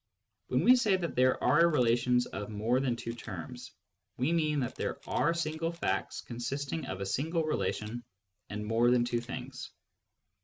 When we say that there are relations of more than two terms, we mean that there are single facts consisting of a single relation and more than two things.